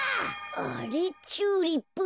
あれっチューリップ。